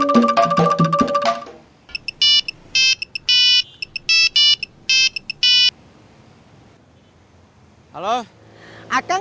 ya udah kang